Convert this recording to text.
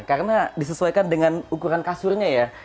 karena disesuaikan dengan ukuran kasurnya ya